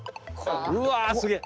うわすげえ！